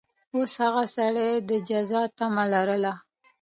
اوس هغه سړي د جزا تمه لرله.